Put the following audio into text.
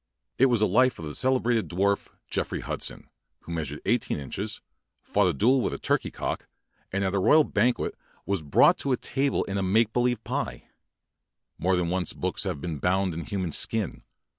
It was a life of the celebrated dwarf, Jeffery Hud son, who measured IS inches, fought a duet with a turkey cock, and at a royal banquet was brought to table in a make believe pie. More than once have books been bound in human skin.